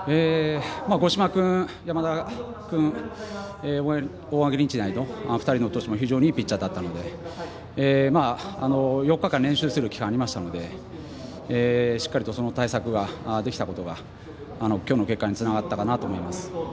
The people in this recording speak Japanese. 五島君、山田君、大垣日大の２人の投手も非常にいいピッチャーだったので４日間練習する期間ありましたのでしっかりとその対策ができたことがきょうの結果につながったかなと思います。